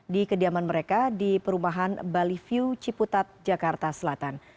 di kediaman mereka di perumahan bali view ciputat jakarta selatan